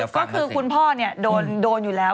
ก็คือคุณพ่อโดนอยู่แล้ว